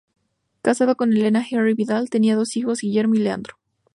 Casado con Elena Henry Vidal, tenía dos hijos, Guillermo y Leandro.